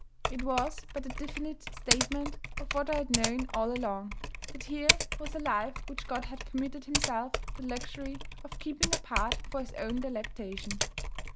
It was but the definite statement of what I had known all along: that here was a life which God had permitted Himself the luxury of keeping apart for his own delectation.